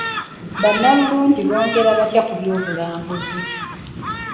Bannalulungi bongera batya ku by'obulambuzi?